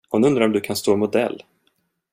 Hon undrar om du kan stå modell.